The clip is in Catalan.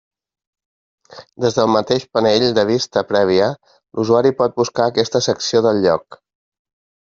Des del mateix panell de vista prèvia, l'usuari pot buscar aquesta secció del lloc.